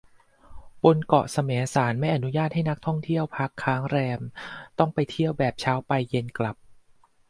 บนเกาะแสมสารไม่อนุญาตให้นักท่องเที่ยวพักค้างแรม ต้องไปเที่ยวแบบเช้าไปเย็นกลับ